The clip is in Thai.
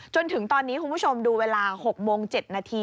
จนถึงตอนนี้คุณผู้ชมดูเวลา๖โมง๗นาที